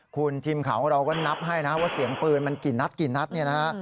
คุณทีมข่าวของเราก็นับให้นะว่าเสียงปืนมันกี่นัดกี่นัดเนี่ยนะฮะ